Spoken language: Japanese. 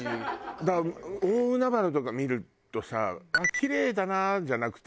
だから大海原とか見るとさ「キレイだな」じゃなくて。